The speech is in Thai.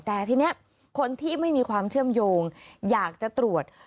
แต่ทีนี้คนที่ไม่มีความเชื่อมโยงอยากจะตรวจ